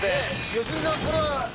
良純さんこれは。